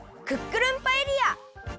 クックルンパエリア！